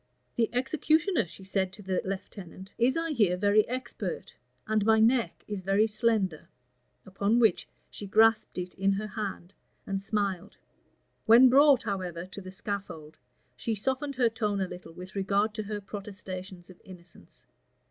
"The executioner," she said to the lieutenant, "is, I hear, very expert; and my neck is very slender:" upon which she grasped it in her hand, and smiled. When brought, however, to the scaffold, she softened her tone a little with regard to her protestations of innocence.